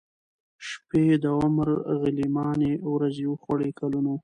شپې د عمر غلیماني ورځي وخوړې کلونو